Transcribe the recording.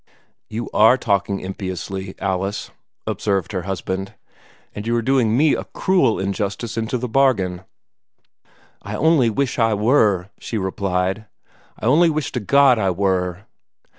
"You are talking impiously, Alice," observed her husband. "And you are doing me cruel injustice, into the bargain." "I only wish I were!" she replied; "I only wish to God I were!"